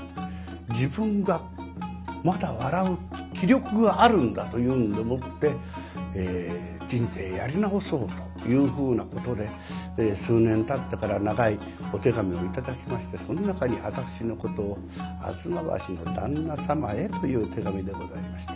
自分がまだ笑う気力があるんだというんでもって人生やり直そうというふうなことで数年たってから長いお手紙を頂きましてその中に私のことを「吾妻橋の旦那様へ」という手紙でございました。